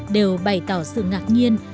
tạo sự ngạc nhiên